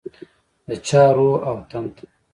د چا روح او تن ته